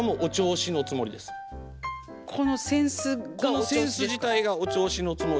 この扇子自体がお銚子のつもりで。